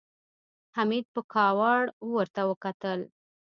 حميد په کاوړ ورته وکتل.